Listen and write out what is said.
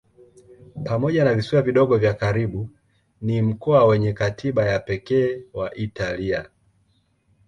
Pamoja na visiwa vidogo vya karibu ni mkoa wenye katiba ya pekee wa Italia.